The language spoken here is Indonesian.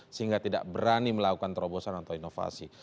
sehingga tidak berani melakukan terobosan atau inovasi